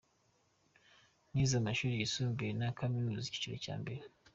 Nize amashuri yisumbuye n’aya kaminuza, icyiciro cya mbere.